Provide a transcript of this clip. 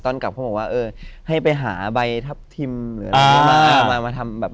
ตอนกลับเขาก็บอกว่าเออให้ไปหาใบทับทิมหรือยังไงมาล้างหรือมา